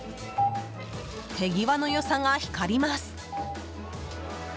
手際の良さが光ります！